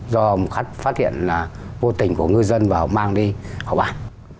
do một khách phát hiện là vô tình của ngư dân và mang đi khảo bàn